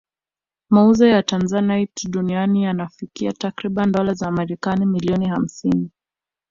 Mauzo ya Tanzanite duniani yanafikia takribani dola za Marekani milioni hamsini